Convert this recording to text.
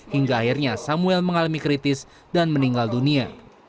hingga akhirnya samuel mengalami kritis dan meninggal dunia